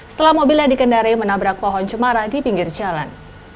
setelah mobil yang dikendari menabrak pohon cemara di pinggir jalan